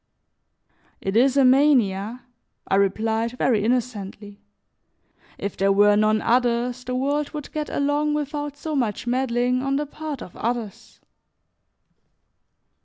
"It is a mania," I replied, very innocently. "If there were none others, the world would get along without so much meddling on the part of others."